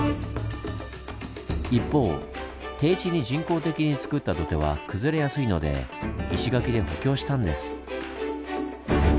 一方低地に人工的につくった土手は崩れやすいので石垣で補強したんです。